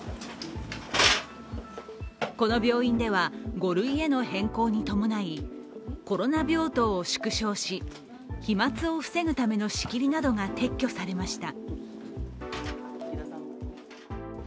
この病院では、５類への変更に伴い、コロナ病棟を縮小し、飛まつを防ぐための仕切りなどが撤去されました。